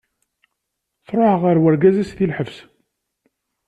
Truḥ ɣer urgaz-is di lḥebs.